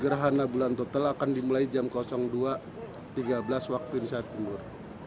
gerhana bulan total akan dimulai jam dua tiga belas waktu indonesia timur